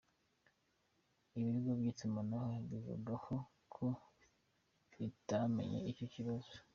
Ibigo by’itumanaho bivugaho ko bitamenye icyo kibazo .